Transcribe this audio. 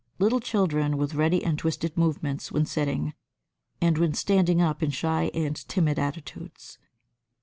Little children with ready and twisted movements when sitting, and when standing up in shy and timid attitudes.